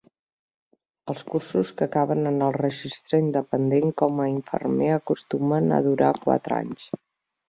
Els cursos que acaben en el registre independent com a infermer acostumen a durar quatre anys.